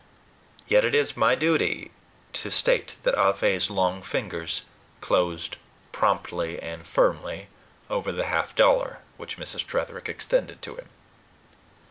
Yet it is my duty to state that Ah Fe's long fingers closed promptly and firmly over the half dollar which Mrs. Tretherick extended to him.